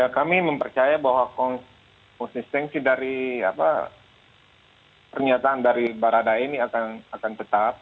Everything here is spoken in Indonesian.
kami mempercaya bahwa konsistensi dari pernyataan dari baradae ini akan tetap